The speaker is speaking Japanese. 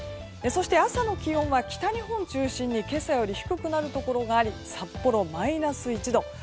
そして朝の気温は北日本中心に今朝より低くなるところがあり札幌マイナス１度。